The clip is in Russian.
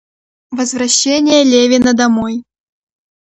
Возвращение Левина домой.